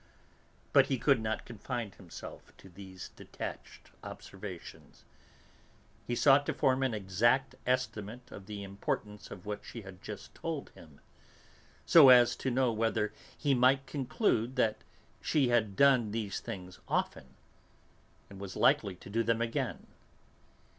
But he could not confine himself to these detached observations. He sought to form an exact estimate of the importance of what she had just told him, so as to know whether he might conclude that she had done these things often, and was likely to do them again.